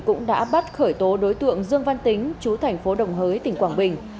cũng đã bắt khởi tố đối tượng dương văn tính chú thành phố đồng hới tỉnh quảng bình